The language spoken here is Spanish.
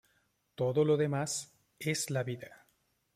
Todo lo demás es la vida".